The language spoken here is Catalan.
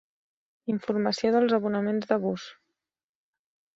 Informació dels abonaments de bus.